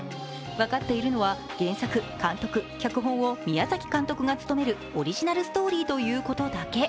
分かっているのは原作・監督・脚本を宮崎監督が務めるオリジナルストーリーというだけ。